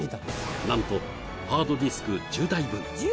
なんとハードディスク１０台分